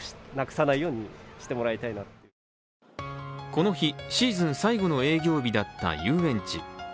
この日、シーズン最後の営業日だった遊園地。